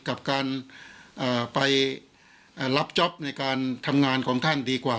กับการไปรับจ๊อปในการทำงานของท่านดีกว่า